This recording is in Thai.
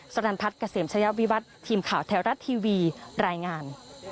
สรรพัฒน์เกษมชายวิวัติทีมข่าวแท้รัฐทีวีรายงาน